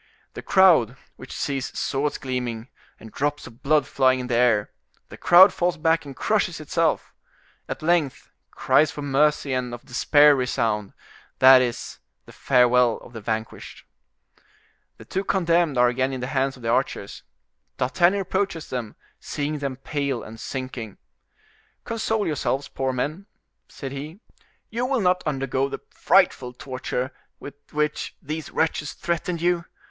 The crowd, which sees swords gleaming, and drops of blood flying in the air—the crowd falls back and crushes itself. At length cries for mercy and of despair resound; that is, the farewell of the vanquished. The two condemned are again in the hands of the archers. D'Artagnan approaches them, seeing them pale and sinking: "Console yourselves, poor men," said he, "you will not undergo the frightful torture with which these wretches threatened you.